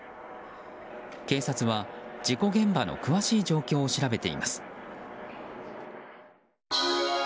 警察は事故現場の詳しい状況を調べています。